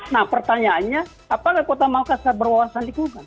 nah pertanyaannya apakah kota makassar berwawasan lingkungan